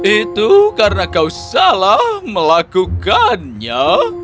itu karena kau salah melakukannya